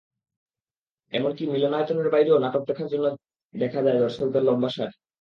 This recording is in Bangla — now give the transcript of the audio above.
এমনকি মিলনায়তনের বাইরেও নাটক দেখার জন্য দেখা যায় দর্শকদের লম্বা সারি।